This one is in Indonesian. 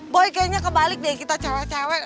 boy kayaknya kebalik deh kita cewek cewek